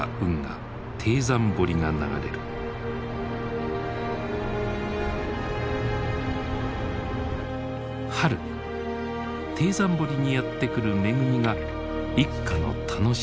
春貞山堀にやって来る恵みが一家の楽しみだった。